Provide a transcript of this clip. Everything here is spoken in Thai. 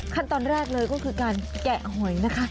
ขั้นตอนแรกเลยก็คือการแกะหอยนะคะ